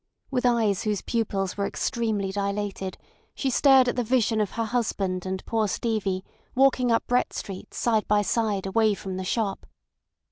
With eyes whose pupils were extremely dilated she stared at the vision of her husband and poor Stevie walking up Brett Street side by side away from the shop.